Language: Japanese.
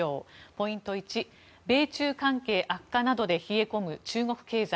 ポイント１米中関係悪化などで冷え込む中国経済。